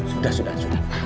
sudah sudah sudah